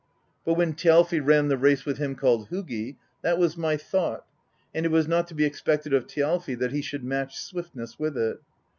But when Thjalfi ran the race with him called Hugi, that was my "thought," and it was not to be expected of Thjalfi that he should match swiftness with it.